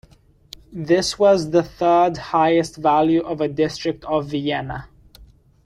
This was the third highest value of a district of Vienna.